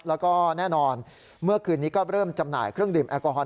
แล้วก็แน่นอนเมื่อคืนนี้ก็เริ่มจำหน่ายเครื่องดื่มแอลกอฮอล